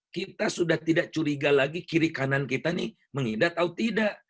kita sudah tidak curiga lagi kiri kanan kita nih mengidat atau tidak